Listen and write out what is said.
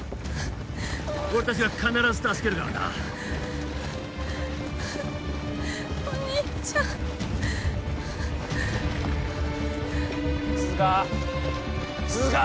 俺達が必ず助けるからなお兄ちゃん涼香涼香！